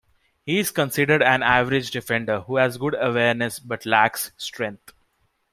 He is considered an average defender who has good awareness but lacks strength.